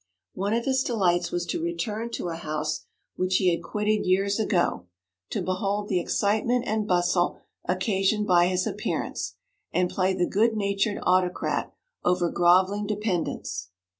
One of his delights was to return to a house which he had quitted years ago, to behold the excitement and bustle occasioned by his appearance, and play the good natured autocrat over grovelling dependents.